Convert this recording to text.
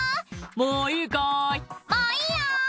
「もういいよ」